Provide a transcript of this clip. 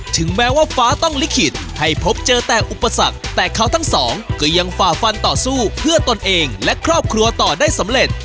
ถึงแม้ว่าฟ้าต้องลิขิตให้พบเจอแต่อุปสรรคแต่เขาทั้งสองก็ยังฝ่าฟันต่อสู้เพื่อตนเองและครอบครัวต่อได้สำเร็จ